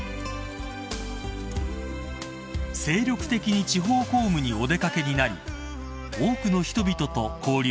［精力的に地方公務にお出掛けになり多くの人々と交流されました］